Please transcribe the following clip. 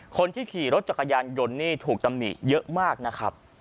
คนที่ขี่รถจักรยานยนต์นี่ถูกตำหนิเยอะมากนะครับ